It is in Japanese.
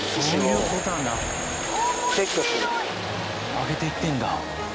上げていってるんだ。